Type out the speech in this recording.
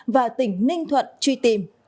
và tỉnh ninh thuận truy tìm